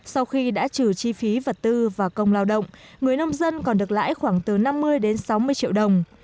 sau khi đã trừ chi phí vật tư và công lao động người nông dân còn được lãi khoảng từ năm mươi đến sáu mươi triệu đồng